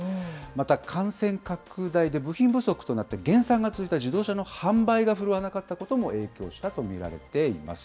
また感染拡大で部品不足となって減産が続いた自動車の販売が振るわなかったことも影響したと見られています。